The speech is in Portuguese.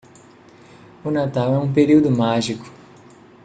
O natal é um período mágico